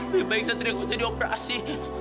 lebih baik setia bisa dioperasi